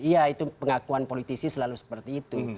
iya itu pengakuan politisi selalu seperti itu